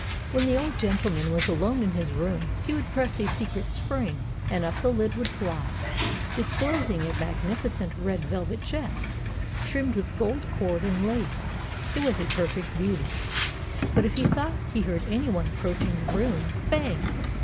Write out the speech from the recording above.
When the old gentleman was alone in his room, he would press a secret spring, and up the lid would fly, disclosing a magnificent red vel vet chest, trimmed with gold cord and lace. It was a perfect beauty. But if he thought he heard anyone approaching the ^room, bang!